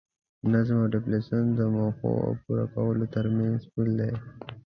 نظم او ډیسپلین د موخو او پوره کولو ترمنځ پل دی.